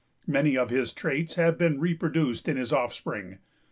Many of his traits have been reproduced in his offspring.